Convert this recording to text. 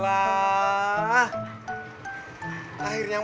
ayolah itu nyuruh